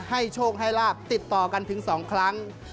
โชคให้ลาบติดต่อกันถึง๒ครั้ง